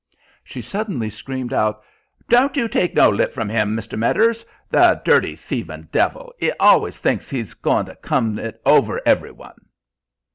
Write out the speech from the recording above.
She suddenly screamed out: "Don't you take no lip from 'im, Mr. Medders. The dirty, thieving devil, 'e always thinks 'e's goin' to come it over every one."